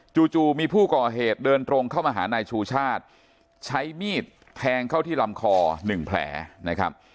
จู่มีผู้ก่อเหตุเดินตรงเข้ามาหานายชูชาติใช้มีดแทงเข้าที่ลำคอหนึ่งแผลนะครับ